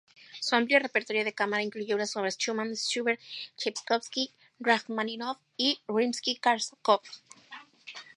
Su amplio repertorio de cámara incluye obras de Schumann, Schubert, Chaikovski, Rajmáninov y Rimski-Kórsakov.